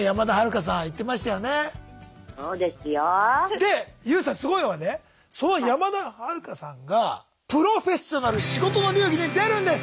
でＹＯＵさんすごいのはねその山田はるかさんが「プロフェッショナル仕事の流儀」に出るんです！